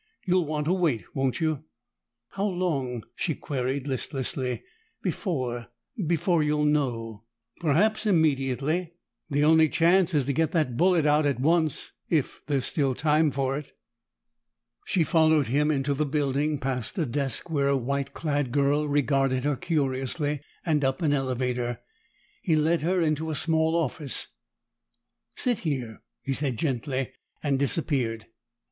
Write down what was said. "You'll want to wait, won't you?" "How long," she queried listlessly, "before before you'll know?" "Perhaps immediately. The only chance is to get that bullet out at once if there's still time for it." She followed him into the building, past a desk where a white clad girl regarded her curiously, and up an elevator. He led her into a small office. "Sit here," he said gently, and disappeared.